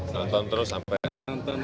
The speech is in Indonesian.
nonton terus sampai jam empat pagi